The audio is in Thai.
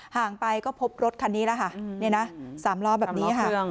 ห่างไปก็พบรถคันนี้แล้วค่ะ๓ล้อแบบนี้ค่ะ